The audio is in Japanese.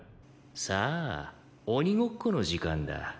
さあオニごっこの時間だ。